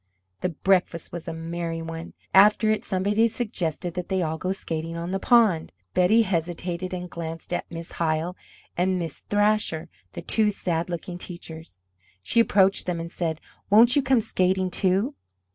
The breakfast was a merry one. After it somebody suggested that they all go skating on the pond. Betty hesitated and glanced at Miss Hyle and Miss Thrasher, the two sad looking teachers. She approached them and said, "Won't you come skating, too?"